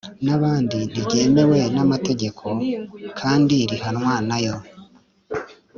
n'abandi ntiryemewe n'amategeko kandi rihanwa nayo